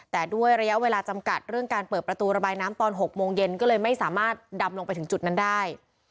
แต่ด้วยระยะเวลาจำกัดเรื่องการเปิดประตูระบายน้ำตอน๖โมงเย็นก็เลยไม่สามารถดำลงไปถึงจุดนั้นได้